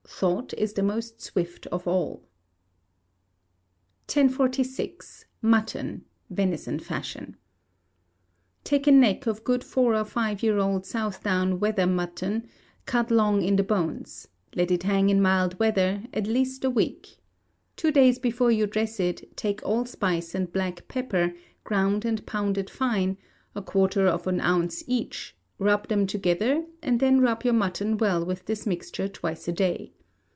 [THOUGHT IS THE MOST SWIFT OF ALL.] 1046. Mutton (Venison fashion). Take a neck of good four or five year old Southdown wether mutton, cut long in the bones; let it hang in mild weather, at least a week. Two days before you dress it, take allspice and black pepper, ground and pounded fine, a quarter of an ounce each, rub them together and then rub your mutton well with this mixture twice a day.